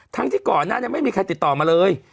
ทั้งที่ก่อนนะยังไม่มีใครติดต่อมาเลย